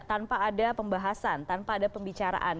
tanpa ada pembahasan tanpa ada pembicaraan